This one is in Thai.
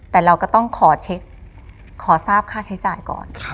แต่เราก็ต้องขอทราบค่าใช้จ่ายก่อน